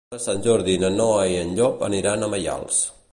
Per Sant Jordi na Noa i en Llop aniran a Maials.